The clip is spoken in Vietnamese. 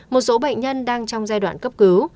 một số bệnh nhân đang trong giai đoạn cấp cứu